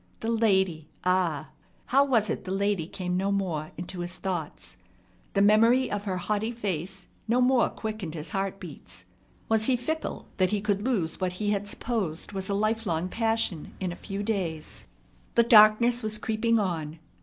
The lady! Ah! How was it the lady came no more into his thoughts? The memory of her haughty face no more quickened his heart beats. Was he fickle that he could lose what he had supposed was a lifelong passion in a few days? The darkness was creeping on.